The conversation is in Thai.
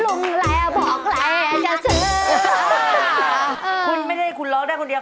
คุณไม่ได้คุณล้อได้คนเดียว